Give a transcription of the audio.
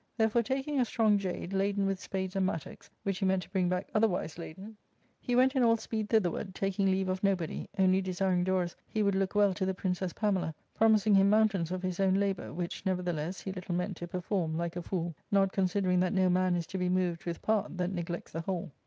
Therefore, taking a strong jade, laden with spades and mattocks, which he meant to bring back otherwise laden, ARCADIA.^Book III. 393 he went in all speed thitherward, taking leave of nobody, only desiring Dorus he would look well to the Princess Pamela, promising him mountains of his own labour, which nevertheless he little meant to perform, like a fool, not con sidering that no man is to be moved with part that neglects the whole.